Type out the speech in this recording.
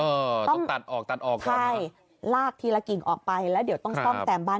เออต้องตัดออกตัดออกก่อนใช่ลากทีละกิ่งออกไปแล้วเดี๋ยวต้องซ่อมแซมบ้าน